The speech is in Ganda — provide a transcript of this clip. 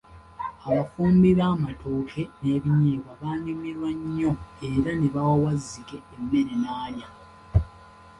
Abafumbi bamatooke nebinnyeebwa baanyumirwa nnyo era ne bawa Wazzike emmere nalya.